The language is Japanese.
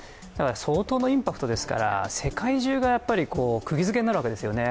相当のインパクトですから世界中がくぎづけになるわけですよね。